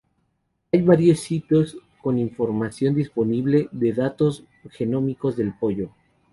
Hay varios sitios con información disponible de datos genómicos del pollo.